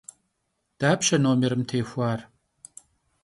Dapşe nomêrım têxuar?